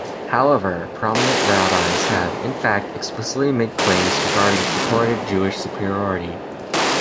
However, prominent rabbis have, in fact, explicitly made claims regarding purported Jewish superiority.